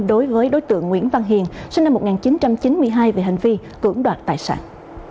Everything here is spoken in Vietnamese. đối với đối tượng nguyễn văn hiền sinh năm một nghìn chín trăm chín mươi hai về hành vi cưỡng đoạt tài sản